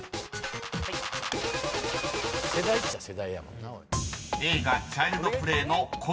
世代っちゃ世代やもんな。